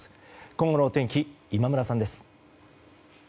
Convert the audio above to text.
今後のお天気、今村さんです。